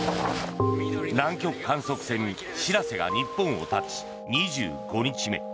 南極観測船「しらせ」が日本を発ち２５日目。